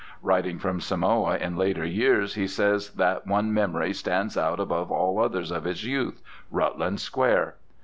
Writing from Samoa in later years he says that one memory stands out above all others of his youth—Rutland Square.